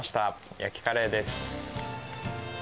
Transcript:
焼きカレーです。